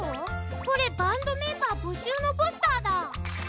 これバンドメンバーぼしゅうのポスターだ。